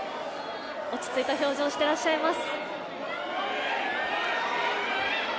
落ち着いた表情をしていらっしゃいます。